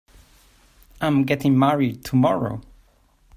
I'm getting married tomorrow.